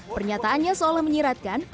pernyataannya seolah menyiratkan